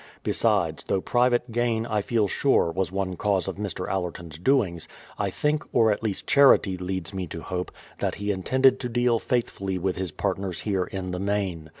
Besides, though private gain, I feel sure, was one cause of Mr. Allerton's doings, I think, or at least charity leads me to hope, that he intended to deal faithfully with his partners here in the main.